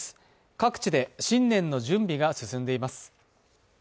各地で新年の準備が進んでいます。